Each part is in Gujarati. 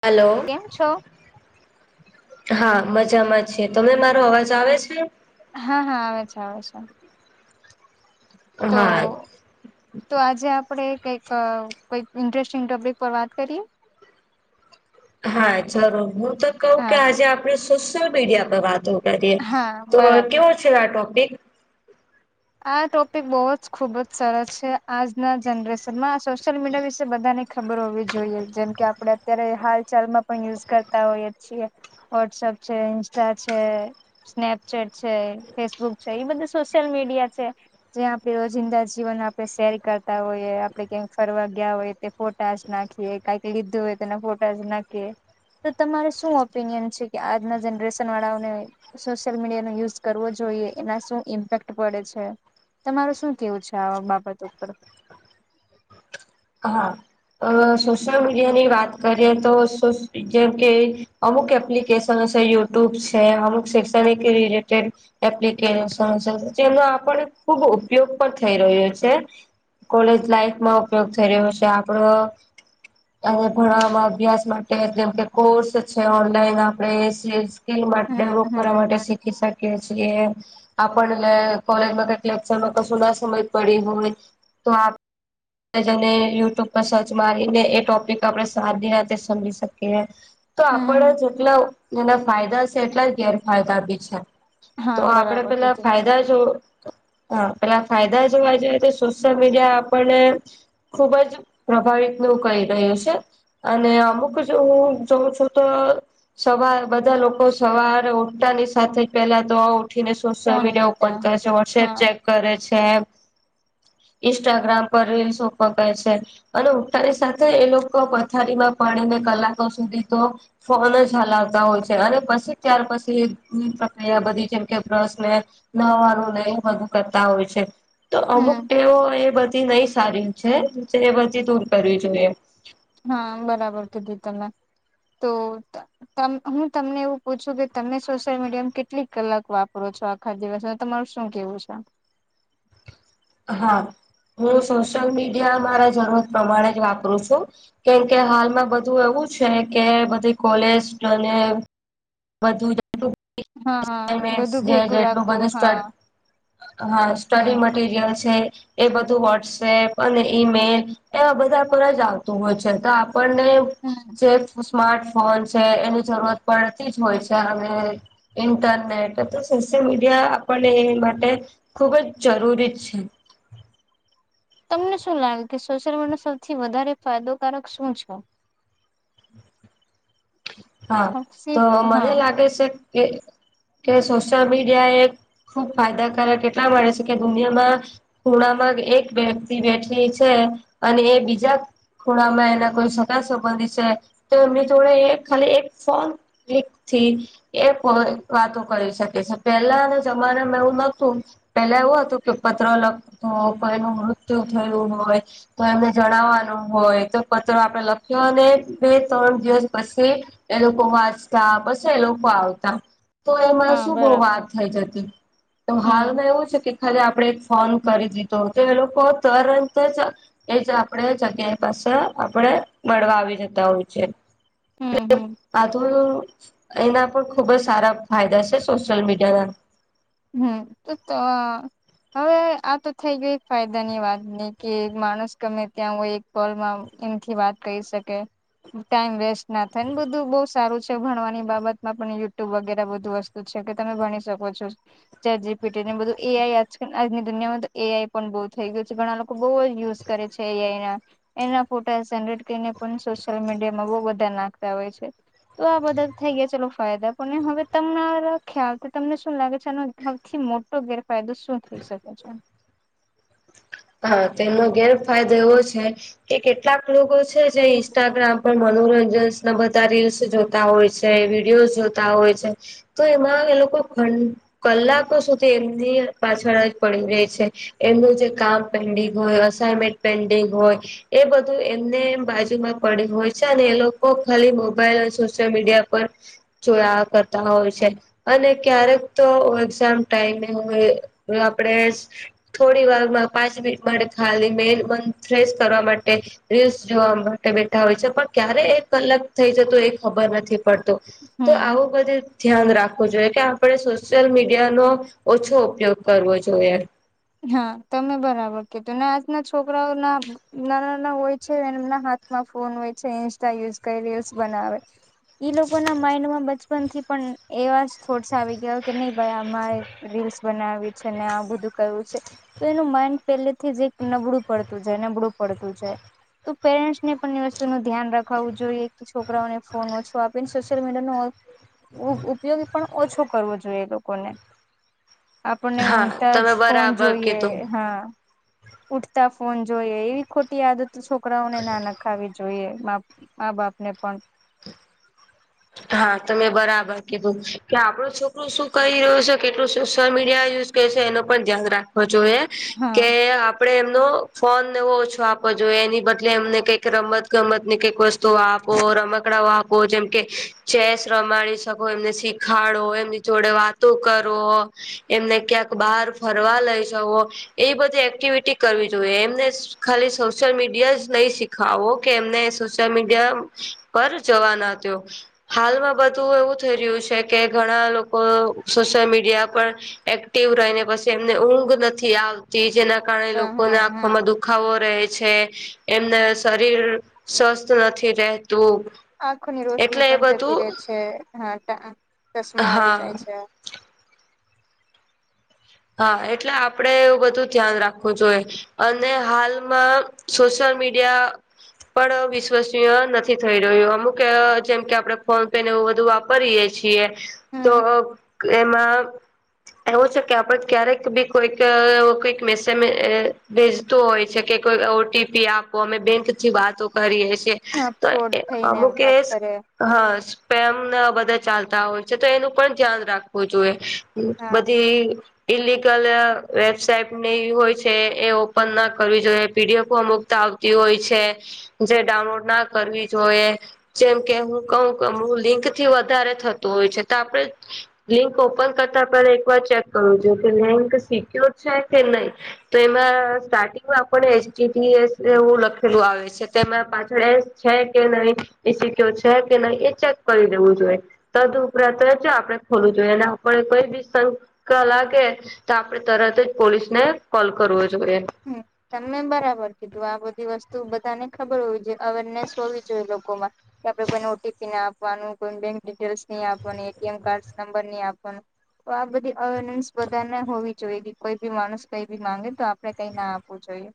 હલો. કેમ છો? હા મજામાં છે તમે મારો અવાજ આવે છે. હા હા આવે છે આવે છે. હા તો. તો આજે આપણે કઈક કઈક ઇન્ટરેસ્ટિંગ ટોપિક પર વાત કરીએ. હા જરૂર હું તો કહઉ કે હા આજે આપડણે સોશિયલ મીડિયા પર વાતો. હા તો બરાબર કેવું છે આ ટોપિક. આ ટોપિક બહુ જ ખુબ જ સરસ છે આજના જનરેશનમાં સોશિયલ મીડિયા વિશે બધાને. ખબર હોવી જોઈએ જેમ કે આપડે. અત્યારે હાલ ચાલમાં પણ યુઝ કરતા હોઈએ છીએ વોટ્સઅપ છે ઇન્સ્ટા છે. સ્નેપચેટ છે ફેસબુક છે એ બધું સોશિયલ મીડિયા છે. જ્યાં આપે રોજિંદા જીવન આપણે શેર કરતા હોઈએ આપડે ક્યાંક ફરવા ગયા હોયએ. ફોટા નાખીએ કઈક લીધું હોય તોના ફોટા નાખીએ. તો તમારે શું ઓપિનિયન છે કે આજના જનરેશન વાળાઓને. સોશિયલ મીડિયાો યુઝ કરવો જોઈએ એના શું ઇમ્પેક્ટ પડે છે. તમાર શું કેવું છે આ બાબત ઉપર. હા સોશિયલ મીડિયા ની વાત કરીએ તો જેમ કે. અમુક એપ્લિકેશન છે યુટ્યુબ છે અમુક શૈક્ષણિક રિલેટેડ. એપ્લિક જેનો આપડ ખુબ ઉપયોગ પણ થઈ રહ્યો છે. કોલેજ લાઈફમાં ઉપયોગ થઈ રહ્યો છે આપણો. અને ભણવામાં અભ્યાસ માટે જેમ કે કોર્સ છે ઓનલાઈન આપણે. સ્લ હમ ડેવલોપ કરવા હમ માટે હમ. શીખી શકીએ છીએ. આપણ એટ કોલેજમાં કઈક લેક્ચરમાં કશું ના સમજ પડી હોય તો. ને યુટ્યુબ પર સર્ચ મારીને એ ટોપિક આપડણે સાારીી રાતે સમજી શકીએ. તો આપડે હમ જેટલા એના ફાયદા છે એટલા ગેરફાયદા બી છે. હા તો આપડે બરાબર પેલા કીધું ફાયદા જો. હા પેલા ફાયદા જોવા જએ તો સોશિયલ મીડિયા આપણને. ખુબ જ પ્રભાવિત નવું કહી રહ્યું છે. અને અમુક હું જોઉં છું તો. સવાર બધા લોકો સવારે ઉઠતાાની સાથે પેલા તો. ઉઠીને સોશિયલ ફોન મીડિયા ઓપન લેતા કરે છે વો્સએપ હા. ચે. કરે છે ઇન્સ્ટાગ્રામ પર રીલસ. પકાય છે અને ઉતાાની સાથે એ લોકો પથારીમાં પાણીને કલાકો સુધી તો ફોન જ હલાવતા હોય છે અને પછી ત્યાર પછીની પ્રક્રિયા બધી જેમ કે બ્રશને ન વાળું નહી વધું કરતા હોય છે. તો અમુક હમ ટેવ એ બધી નહી સારી છે એ બધી દૂર કરવી જોઈએ. હા બરાબર કીધી તમે તો. હું તમને એવું પૂછું કે તમે સોશિયલ મીડિયામાં કેટલીક કલાક વાપરો છો. આખા દિવસ તમાર શું કેવું છે હા હું સોશિયલ મીડિયા મારા જરૂરત પ્રમાણે જ વાપરું છું કેમ કે હાલમાં બધું એવું છે કે બધી કોલેજ બુમેન્ટ હા હા બધું ભેગું જેટલું રાખવું બધું હા સ્ટડ હા સ્ટડી મટીરિયલ છે એ બધું વોટ્સએપ અને ઈમેલ એવા બધા પર જ આવતું હોય છે તો આપણને હમ. જે સ્માર્ટફોન છે એની જરૂરત પડતી જ હોય છે અને ઇન્ટરનેટ સોશિયલ મીડિયા આપણ એ માટે ખૂબ જ જરૂરી છે તમને શું લાગે કે સોશિયલ મીડને સૌથી વધારે ફાયદોકારક શું છે હા તો મને હા લાગે છે કે કે સોશિયલ મીડિયા એ ખુબ ફાયદાકારક એટલા મળે છે કે દુનિયામાં ખૂણામાં એક વ્યક્તિ બેઠી છે અને એ બીજા થોડામાં એના કોઈ સગા સંબંધી છે તો એમની જોડે ખાલી એક ફો એક થી એ વાતો કરી શકે છે પેલાના જમાના મે એવું નું પેલા એવું હતું કે પત્ર લખતું કો એનું મૃત્યુ થયું હોય તો એમને જણાવવાનું હોય તો પત્ર આપડે લખ્યો અને બે ત્રણ દિવસ પછી એ લોકો વાંચતા પછ એ લોકો આવતા તો એમાં હા શું બહ બરાબર વાત થઈ જતી તો હમ હાલમાં એવું છે કે હાલે આપડે એક ફોન કરી દીધો હતો એ લોકો તરંત જ એ જ આપણે જગ્યાએ પાસે આપણેે મળળવા આવી જતા હોય છે હમ હમ આ તોુ એના પણ ખુબ જ સારા ફાયદા છે સોશિયલ મીડિયાના હમ તો તો હવે આ તો થઈ ગય ફાયદા ની વાત ની કે માણસ ગમે ત્યાં હો એક કોલમાં એમથી વાત કરી શકે ટાઈમ વેસ્ટ ના થાય ને બધું બ સારું છે ભણવાની બાબત માં પણ યુટ્યુબ વગેરે બધુ વસ્તુ છે કે તમે ભણી શકો છો ચજી પીટી ને બધું એ આઈ આજની દુનિયામાં તો એ આઈ પણ બહુ થઈ ગયું છે ઘણા લોકો બહુ યુઝ કરે છે એ એના એના ફોટા જરેટ કરીને પણ સોશિયલ મીડિયામાં બ બધા નાખતા હોય છે તો આ બધા થઈ ગયા ચલોો ફાયદા પણ હવે તમને ખ્યાલથી તમને શું લાગે સૌથી મોટો ગેરફાયદો શું થઈ શકે છે. હા તેનો ગેરફાયદો એવો છે કે કેટલાક લોકો છે જે ઇન્સ્ટાગ્રામ પણ મનોરંજન ના બધા રીલ્સ જોતા હોય છે વિડીયો જોતા હોય છે. તો એમાં એ લોકો ઘં કલાકો સુધી એમની પાછળ જ પડી રહી છે એમનું જે કામ પેન્ડિંગ હોય અનમેન્ટ પેન્ડિંગ હોય એ બધું એમને બાજુમાં પડ્યું હોય છે અને એ લોકો ખાલી મોબાઈલ અને સોશિયલ મીડિયા પર ચોયા કરતા હોય છે અને ક્યારેક તો એક્ઝામ ટાઈમે હોય આપણેે થોડી વાર પાંચ મિનિટ માટે ખાલી મે મ ફ્રેશ કરવા માટે રીલ્સ જોવા માટે બેઠા હોય છે પણ ક્યારે એક કલાક થઈ જતો એ ખબર નથી પડતો તો હમ આવું બધી ધ્યાન રાખવું જોઈએ કે આપણે સોશિયલ મીડિયાનોો ઓછો ઉપયોગ કરવો જોઈએ. હા તમે બરાબર કધું આજના છોકરાઓ ના નાના નાના હોય છે એમના હાથ માં ફોન હોય છે ઇન્સ્ટા યુઝ કરી રીલ્સ બનાવે ઈ લોકો ના માઈન્ડમાં બચપન થી પણ એવા થોડસા આવી ગયા. કે નહી ભાઈ આમાં રીલ્સ બનાવી છે ને આ બધું તો એનું માઈન્ડ પેહલેથી જ એક નબળું પડતું જાય નબળું પડતું જાય તો પેરેન્ટ્સને પણ એ વસ્તુનું ધ્યાન રખાવું જોઈએ. છોકરાઓને ફોન ઓછો આપીને સોશિયલ મીડિયાનો ઉપયોગ પણ ઓછો કરવો જોઈએ લોકોને આપણને હા ઊંઘતા જ તમે ફોન બરાબર જોઈએ કીધું હા ઉઠતા ફોન જોઈએ એવી ખોટી આદત છોકરાઓને ના લાગે. રખાવી જોઈએ મા બાપને પણ હા તમે બરાબર કીધું કે આપડો છોકરું શું કહી રહ્યો છે કેટલું સોશિયલ મીડિયા યુઝ એ પણ ધ્યાન રાખવો જોઈએ હા કે આપણે એમનો ફોન ઓછો આપવો જોઈએ એની બદલે એમને કઈક રમત ગમત ને કઈક વસ્તુ આપો રમકડાઓ આપો જેમ કે ચેસ રમાડી શકો એમને શીખાડો એમની જોડે વાતો કરો. એમને ક્યાંક બહાર ફરવા લઈ જવો. એ બધી એક્ટિવિટી કરવી જોઈએ એમને ખાલી સોશિયલ મીડિયા જ નહી શીખ ખાવો કે એમને સોશિયલ મીડિયા પર જવા ના દો. હાલમાં બધું એવું થઈ રહ્યું છે કે ઘણા લોકો સોશિયલ મીડિયા પર એક્ટિવ રહીને પછી એમને ઊંઘ નથી આવતી જેના કારણે લોકોને હા હા આંખોમાં દુખ દુખાવો રેહ છે એમને શરીર સ્વસ્થ નથી રહેતું. આંખોની રોશની એટલે એ પણ જતી રહે બધું છે હ ચશમા હા આવી જાય છે. હા એટલે આપડે એવું બધું ધ્યાન રાખવું જોઈએ. અને હાલમાં સોશિયલ મીડિયા પણ વિશ્વસનીય નથી થઈ રહ્યો અમુક જેમ કે આપડે ફોન પે ને એવું બધું વાપરીએ છે તો હમ એમાં એવું છે. કે આપડ ક્યારેક બી કોઈક કઈક મેસેજ ભેજતું હોય છે કે કોઈ ઓટીપી આપ આપો અમે બેંકથી વાતો કરીએ છે હા ફ્રોડ થઈને વાત કરે. હા સ્પેમ બધા ચાલતા હોય છે તો એનું પણ ધ્યાન રાખવું જોઈએ. હા બધી ઈલિગલ વેબસાઇટ હોય છે એ ઓપનના કરવી જોઈએ પીડીએફઓ અમુક આવતી હોય છે જે ડાઉનલોડના કરવી જોઈએ. જેમકે હું કવ કે હ લિંકથી વધારે થતું હોય છે તો આપડે લિંક ઓપન કરતા પહેલા એકવાર ચેક કરું છ કે લિંક સિક્યોર છે કે નય. તો એમાં સ્ટાર્ટિંગમાં આપને એચટીટીએસ એવું લખેલું આવે છે તેમાં પાછળ એસ છે કે નય એ સિક્યોર છે કે નહી એ ચેક કરી દેવું જોઈએ. તદ્ઉપરાંત જ આપડણે ખોલવું જોઈએ અને આપડે કોઈ બી સ ક લાગે તો આપડે તરત જ પોલીસને કોલ કરવો જોઈએ. [unintelligible] તમે બરાબર કીધું આ બધી વસ્તુ બધાને ખબર હોવી જોઈએ અવેરનેસ હોવી જોઈએ લોકોમાં કે આપણે કોઈને ઓટીપી ના આપવાનું કોઈ બેંક ડિટેલ્સ નય આપવાનું એટીએમ કાર્ડ નંબર નહી આપવાનું તો આ બધી અવેરનેન્સ બધાને હોવી જોઈ કોઈ બી માણસ કઈ બી માંગે તો આપડે કઈ ના આપવું જોઈએ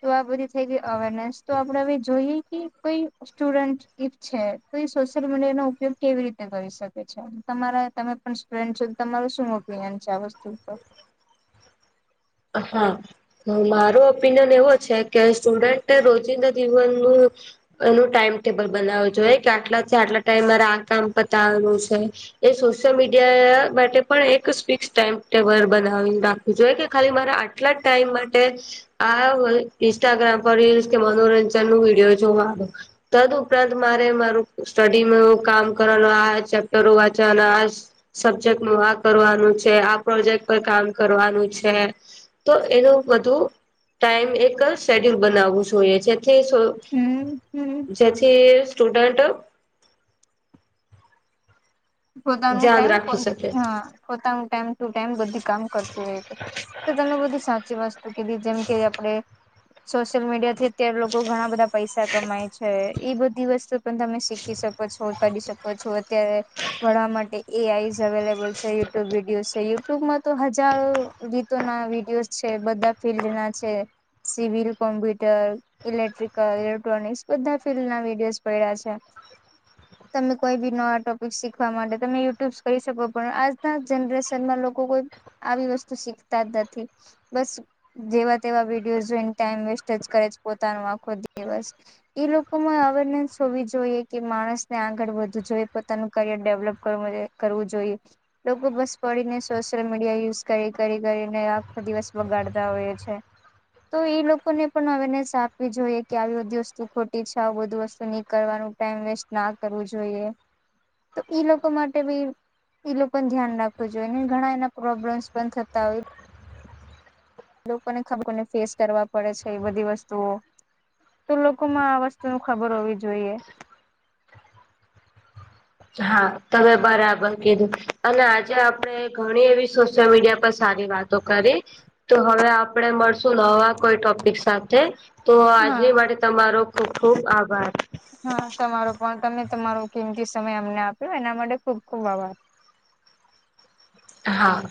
તો આ બધી થઈ ગઈ અવેરનેસ તો આપડે હવે જોઈએ કે કોઈ સ્ટુડન્ટ ઈફ છે તો એ સોશિયલ મીડિયાનો ઉપયોગ કેવી રીતે કરી શકે છે તમારા સ્ટુડન્ટ છે તમારું શું ઓપિનિયન છે આ વસ્તુ પર હા. હ મારો ઓપિનિયન એવો છે કે સ્ટુડન્ટ રોજિંદા જીવનનું એનું ટાઈમ ટેબલ બનાવ જોઈએ કે આટલા આટલા ટાઈમરે આ કામ પતાવવાનું છે એ સોશિયલ મીડિયા માટે પણ એક ફિક્સ ટાઈમટેબલ બનાવી રાખવું જોઈએ કે ખાલી મારા આટલા ટાઈમ માટે. આ ઇન્સ્ટાગ્રામ પર રીલ્સ કે મનોરંજન નો વિડીયો જોવા આવે. તદ્ઉપરાંત મારે મારું સ્ટડીમાં કામ કરવાનું આ ચેપ્ટરો વાંચવા અને આ સબ્જેક્ટનું આ કરવાનું છે આ પ્રોજેક્ટ પર કામ કરવાનું છે. તો એનું બધું ટાઈમ એક શેડ્યુલ બનાવવું જોઈએ જેથી. હમ હમ. જેથી સ્ટુડન્ટ. પોતાનું ધ્યાન ટાઈમ કો રાખી શકે હ પોતાનું ટાઈમ ટુ ટાઈમ બધી કામ કરતું રહે તો. તો તમે બધી સાચી વસ્તુ કીધી જેમ કે આપણે સોશિયલ મીડિયા થી. અત્યારે લોકો ઘણા બધા પૈસા કમાય છે એ બધી વસ્તુ પણ તમે શીખી શકો છો. કરી શકો છો અત્યારે વણવા માટે એ આઈ અવેલેબલ છે યુટ્યુબ વિડીયો છેય. યુટ્યુબમાં તો હજારો ગીતો ના વિડીયોઝ છે બધા ફિલ્ડ ના છે. Civil computer. ઇલેક્ટ્રિકલ ઇલેક્ટ્રોનિક્સ બધા ફિલ્ડના વિડીયોઝ પડ્યા છે. તમે કોઈ બી નવા ટોપિક શીખ. શીખવા માટે તમે યુટ્યુબ્સ કરી શકો પણ આજના જનરેશનમાં લોકો કોઈ. આવી વસ્તુ શીખતા જ નથી. બસ જેવા તેવા વિડીયો જોઈને ટાઈમ વેસ્ટ જ કરે છે પોતાનો આખો દીસ. એ લોકો માં અવેરનેસ હોવી જોઈએ કે માણસને આગળ વધવું જોઈએ પોતાનું. કરિયર ડેવલપ કરવું કરવું જોઈએ. લોકો બસ પડીને સોશિયલ મીડિયા યુઝ કરી કરી કરીને આખો દિવસ બગાડતા હોય છે. તો એ લોકોને પણ અવેરનેસ આપવી જોઈએ કે આવી બધી વસ્તુ ખોટી છે આવું બધું વસ્તુ ની. કરવાનું ટાઈમ વેસ્ટ ના કરવું જોઈએ. તો ઈ લોકો માટે ભી ઈ લોકો ધ્યાન રાખવું જોઈએ ઘણા એના પ્રોબ્લેમ્સ પણ થતા હોય. લોકોને ખબર કોને ફેસ કરવા પડે છે એ બધી વસ્તુઓ. તો લોકોમાં આ વસ્તુ ન ખબર હોવી જોઈએ. હા તમે બરાબર કીધું અને આજે આપણે ઘણી એવી સોશિયલ મીડિયા પર સારી વાત. દકારે તો હવે. આપ મળશું નવા કોઈ ટોપિક સાથે તો હા આજની માટે તમારો. ખબ ખૂબ આભાર. હા તમારો પણ તમે તમારો કિમતી સમય અમને આપ્યો એના માટે ખુબ ખુબ આભાર. હા.